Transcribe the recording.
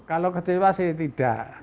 kalau kecewa sih tidak